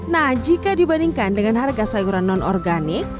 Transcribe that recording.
nah jika dibandingkan dengan harga sayuran non organik